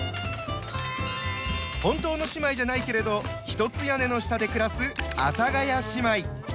本当の姉妹じゃないけれど一つ屋根の下で暮らす「阿佐ヶ谷姉妹」。